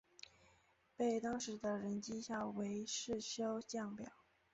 被当时的人讥笑为世修降表。